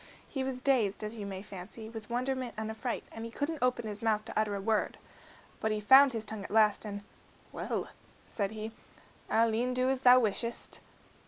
He was dazed, as you may fancy, with wonderment and affright, and he couldn't open his mouth to utter a word. But he found his tongue at last, and, "Well," said he, "I'll e'en do as thou wishest."